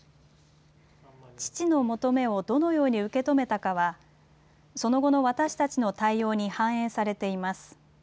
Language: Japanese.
父の求めをどのように受け止めたかは、その後の私たちの対応に反映されています。